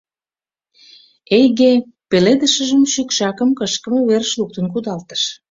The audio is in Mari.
Эйге пеледышыжым шӱкшакым кышкыме верыш луктын кудалтыш.